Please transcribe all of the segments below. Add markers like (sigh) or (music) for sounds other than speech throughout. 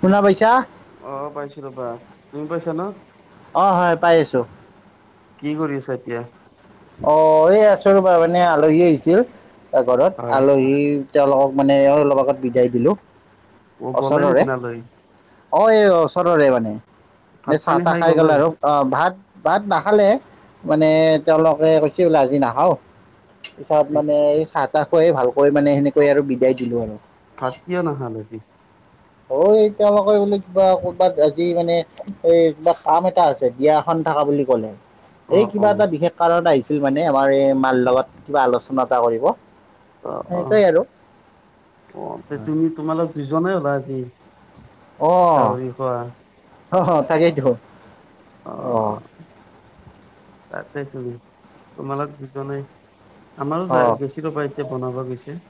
শুনা পাইছা অ পাইছোঁ ৰবা তুমি পাইছা ন অ হয় পাই আছোঁ কি কৰি আছা এতিয়া অ এই আছো ৰবা মানে আলহী আহিছিল ঘৰত হয় আলহী তেওঁলোকক মানে অলপ আগত বিদায় দিলো অ গ'লে নেকি ওচৰৰে নালৈ অ এই ওচৰৰে মানে এ ভাত চাহ পানী তাহ খাই গ'লে গ'ল আৰু অ ভাত ভাত নাখালে মানে তেওঁলোকে কৈছে বোলে আজি নাখাওঁ পিছত মানে এই চাহ তাহ খোৱাই ভালকৈ মানে সেনেকৈ আৰু বিদায় দিলো আৰু থাকিয় নাহাল আজি অ এই তেওঁলোকে বোলে কিবা ক'ৰবাত আজি মানে এই কিবা কাম এটা আছে বিয়া এখন থকা বুলি ক'লে অ এই অ কিবা এটা বিশেষ কাৰণ আহিছিল মানে আমাৰ এই মালদত কিবা আলোচনা এটা কৰিব। অ অ সেনেকেই আৰু অ তে তুমি তোমালোক দুজনে হ'লা আজি। অ গাহৰি খোৱা তাকেইটো অ আহ তাতে তুমি তোমালাক দুজনে আমাৰো যা অ'। গছ ৰবা এতিয়া বনাব গৈছে।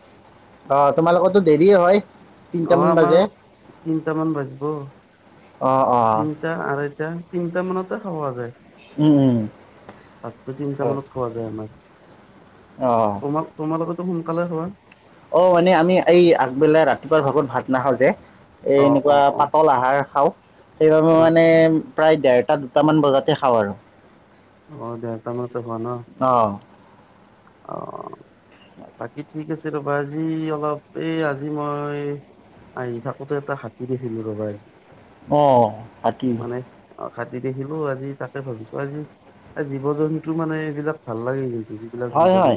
অ তোমাৰ লগতো দেৰি হয়। অঁ তিনটামান আমাৰ বাজে তিনিটামান বাজিব। অঁ অঁ তিনিটা আঢায়টা তিনিটা মানতে খোৱা যায়। উম, উম। ভাতটো তিনটা হয় মানত খোৱা যায় আমাৰ অ তোমাক তোমাৰ লগতো সোনকালে হয়। অ মানে আমি এই আগবেলা ৰাতিপুৱা ভাগত ভাত নাখাওঁ যে। এ অ অ এনেকুৱা অ পাতল আহাৰ খাওঁ সেইবাবে অ মানে। প্ৰায় ডেৰটা দুটামান বজাতে খাওঁ আৰু অ দেহতা মই ত খোৱা ন অ- অ- বাকী ঠিক আছে ৰবা আজি অলপ এই আজি মই। আহি থাকোতে এটা হাতী, দেখিলো ৰ'বা আজি অ হাতী, অ হাতী দেখিলো আজি তাকে ভাবিছো আজি। এই জীৱ জন্তু মানে এইবিলাক ভাল লাগে জন্তু যি যিবিলাক জীৱ হয় হয়।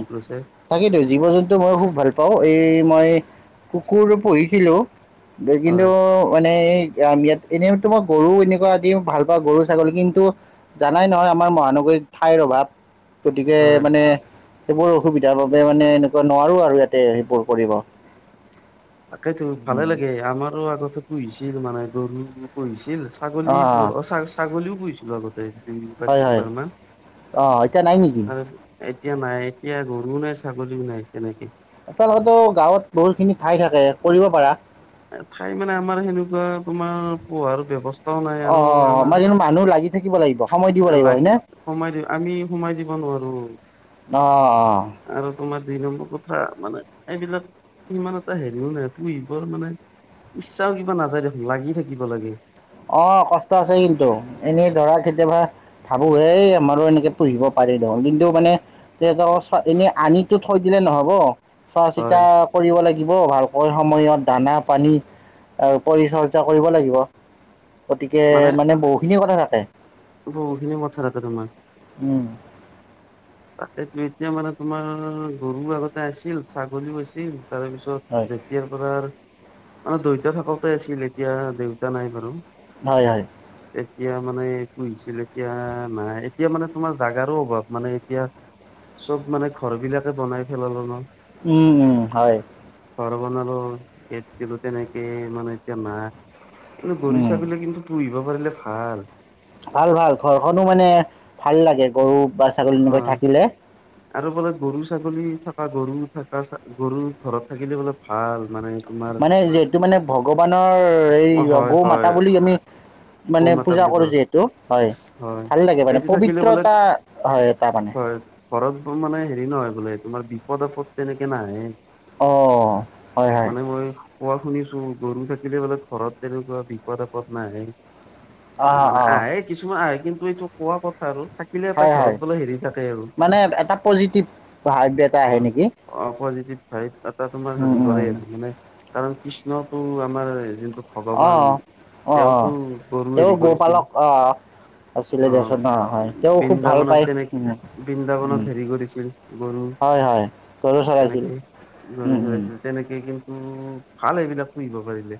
তাকেইেতো জীৱ -জন্তু মই খুব ভাল পাওঁ এই মই কুকুৰ, পুহিছিলো। দে দেখিলো হয় মানে এই ম ইয়াত এনেইতো মই গৰু এ, নেকুৱা দি ভাল পাওঁ গৰু, ছাগলী, কিন্তু- জানাই নহয় আমাৰ মহানগৰীত ঠাইৰ অভাৱ গতিকে হয় মানে। সেইবোৰ অসুবিধাৰ বাবে মানে এনেকুৱা নোৱাৰো আৰু ইয়াতে সেইবোৰ কৰিব। তাকেইতো ভালে লাগে আমাৰো আগতে পুহিছিল মানে গৰু পুহিছিল। ছাগলী অ', প ছাগলীও পুহিছিলোঁ। আগতে দুই বাাৰ হয়, হয় তিনিবাৰমান অ এতিয়া নাই নেকি? এতিয়া নাই এতিয়া গৰুও, নাই ছাগলীও নাই তেনেকে আচলোকো গাঁৱত বহুত খিনি ঠাই থাকে কৰিব পাৰা। ঠাই মানে আমাৰ সেনেকুৱা তোমাৰ পো়াৰ ব্যৱস্থা নাই আৰু অ', আমাৰ কিন্তু মানুহ লাগি থাকিব লাগিব সময় দিব আমাৰ লাগিব হয়নে? লাগি সমমাই দিওঁ। আমি সোমাই দিব নোৱাৰো। অঁ অঁ আৰু তোমাৰ দুই নম্বৰ কথা মানে এইবিলাক। ইমান এটা হেৰিও নাই তোৰ বৰ মানে ইচ্ছাও কিবা নাযায় দেখোন লাগি থাকিব লাগে। অ কষ্ট আছে কিন্তু এনেই ধৰা কেতিয়াবা। ভাবো হে আমাৰো এনেকে পুহিব পাৰি ন কিন্তু মানে। তেহতক চ এনেই আনিতো থৈ দিলে নহব চোৱা চিতা হয় কৰিব লাগিব ভালকৈ সময়ত দানা- পানী পৰিচৰ্যা কৰিব লাগিব। গতিকে মানে বহুখিনিয়ি কথা থাকে। (unintelligible) মথা ৰাখে তোমাৰ। উম। তাতে এতিয়া মানে তোমাৰ গৰু আগতে আছিল ছাগলীও আছিল তাৰপিছত- হয়, ত' যেতিয়াৰ পৰা মানে দেউতা থাকোতে আছিল এতিয়া দেউতা নাই বাৰু। হয় হয়। এতিয়া মানে পুহিছিল এতিয়া নাই, এতিয়া মানে তোমাৰ জাগাৰো অভাৱ মানে। এতিয়া চব মানে ঘৰ বিলাকে বনাই পেলালো ন। উমঁ উমঁ, হয়। ঘৰ বনালো এইত কিন্তু তেনেকে মানে এতিয়া নাই। কিন্তু গৰু উম, ছাগলী কিন্তু পুহিব পাৰিলে ভাল। ভাল ভাল ঘৰখনো মানে ভাল লাগে গৰু বা ছাগলী এনেকৈ হয় থাকিলে। আৰু বোলে গৰু-ছাগলী থকা গৰু থকা গৰু ঘৰত থাকিলে বোলে- ভাল মানে- তোমাৰ মানে এইটো মানে ভগৱানৰ এই হয় গৌ হয় মাতা বুলি আমি- মানে গৌমাতা পূজা বুলি কৰোঁ কয় যিহেতু হয়। ভাল লাগে মানে এইটো থাকিলে বোলে পবিত্ৰতা হয় এটা মানে। হয় ঘৰত মানে হেৰি নহয় বোলে তোমাৰ বিপদ আপদ তেনেকে নাহে। অঁ হয় হয় মানে মই কোৱা শুনিছো গৰু থাকিলে বোলে- ঘৰত তেনেকুৱা বিপদ আপদ নাহে, এ অঁ মানে অঁ আহে- কিছুমান আহে কিন্তু এইটো কোৱা কথা আৰু থাকে- পিনে এটা হয় হয় ঘৰত বোলে হেৰি থাকে আৰু মানে এটা পজিটিভ ভাইব এটা আহে অ'। নেকি অ' পজিটিভ ভাই এটা তোমাৰ হেৰি কৰে মানে- কাৰণ কৃষ্ণটো আমাৰ- ভগৱান অঁ অঁ অঁ তেওঁতো গৰু তেওঁ হেৰি গোপালক অঁ কৰিছিল- আছিলে অহ' দিয়াচোন অঁ হয় তেওঁ খুব ভাল পায় বৃন্দাবনত তেনেকে উম, উম। বৃন্দাবনত হেৰি কৰিছিল। গৰু হয় হয়, গৰু চৰাইছিল, তেনেকে গৰু উম উম। চৰাইছিল তেনেকে কিন্তু ভাল এইবিলাক পুহিব পাৰিলে।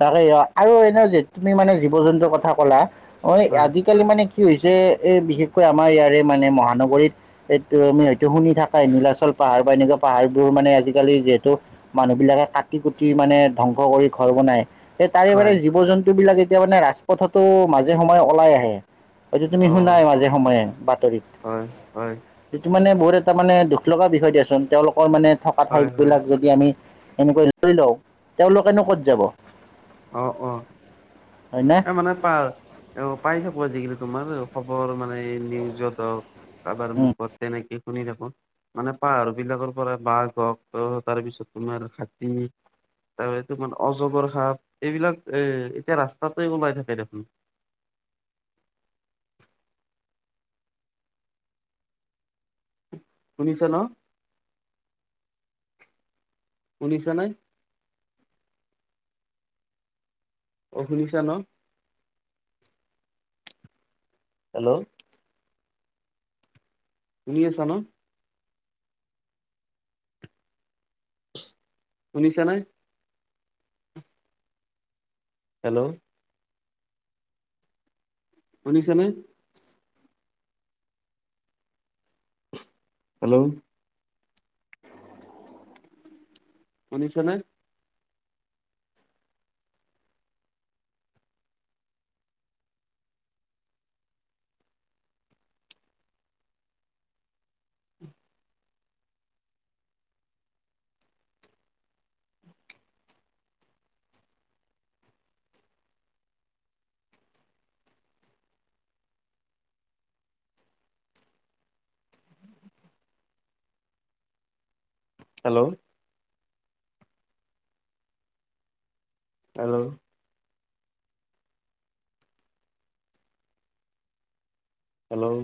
তাকে আৰু এনে যে তুমি মানে জীৱ-জন্তুৰ কথা কলা অ' আদি- হয় আজিকালি মানে কি হৈছে এ বিশেষকৈ আমাৰ ইয়াৰে মানে মহানগৰীত- সেইটো আমি হয়তো শুনি থাকাই নিলাচল পাহাৰ বা এনেকা- পাহাৰবোৰ মানে আজিকালি যিহেতু মানুহবিলাকে কাটি কুটি মানে ধ্বংস কৰি ঘৰ বনায়। সেই তাৰে মানে হয় জীৱ-জন্তু বিলাক এতিয়া মানে ৰাজপথতো মাজে সময়ে ওলাই আহে। এইটো তুমি অ শুনাই মাজে সময়ে বাতৰিত। হয় হয় সেইটো মানে বহুত এটা মানে দুখ লগা বিষয় দিয়াচোন তেওঁলোকৰ মানে থকা হয় ঠাই হয় বিলাক য- আমি এনেকৈ লৈ লওঁ তেওঁলোকেনো ক'ত যাব। অ' অ'। হয় না। এ মানে পাৰ পাই থাকো আজিকালি তোমাৰ খবৰ মানে নিউজত হওক- কাবাৰ মুখত তেনেকে- শুনি থাকো মানে পাহাৰ বিলাকৰ পৰা বাঘ হওক তাৰ পিছত তোমাৰ হাতী- তাৰ পিছত তোমাৰ অজগৰ সাপ এইবিলাক এ এতিয়া ৰাস্তাটে ওলাই থাকে দেখোন। শুনিছা ন, শুনিছা নাই? অ' শুনিছা ন? হেল্ল'। শুনি আছা ন? শুনিছা নাই হেল্ল' শুনিছানে? হেল্ল' শুনিছানে? Hello hello hello